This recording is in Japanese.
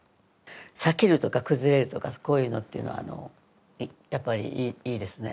裂けるとか崩れるとかこういうのっていうのはやっぱりいいですね。